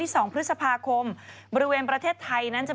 พี่ชอบแซงไหลทางอะเนาะ